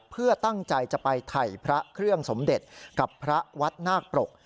เพื่อตั้งใจจะไปถ่ายพระเครื่องสมเด็จกับพระวัดนาคปรก